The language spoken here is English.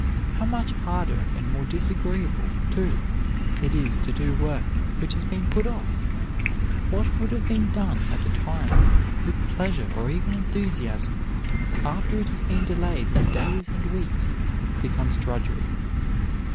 How much harder and more disagreeable, too, it is to do work which has been put off! What would have been done at the time with pleasure or even enthusiasm, after it has been delayed for days and weeks, becomes drudgery.